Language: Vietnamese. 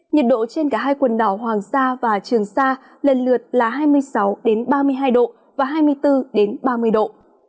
nhiệt độ trên cả hai quần đảo hoàng sa và trường sa lần lượt là hai mươi sáu ba mươi hai độ và hai mươi bốn ba mươi độ